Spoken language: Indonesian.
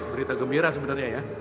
berita gembira sebenarnya ya